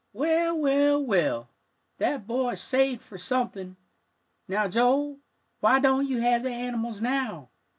"Well, well, well, that boy's saved for something. Now, Joel, why don't you have the animals now?